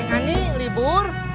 neng kandi ngelibur